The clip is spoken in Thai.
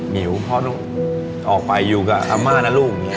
มิวพ่อหนูออกไปอยู่กับอาม่าน่ะลูก